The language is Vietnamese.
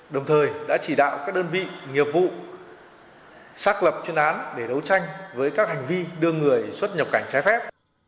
đồng thời đã chỉ đạo các đơn vị nghiệp vụ xác lập chuyên án để đấu tranh với các hành vi đưa người xuất nhập cảnh trái phép